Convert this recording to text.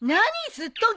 すっとん？